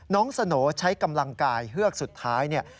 น้องสโน่ใช้กำลังกายเฮือกสุดท้าย